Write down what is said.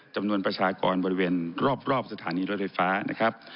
จำนวนประชากรบริเวณรอบสถานีรถไฟฟ้านะครับ